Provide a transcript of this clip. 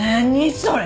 それ。